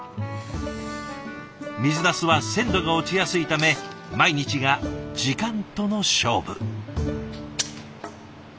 水なすは鮮度が落ちやすいため毎日が時間との勝負。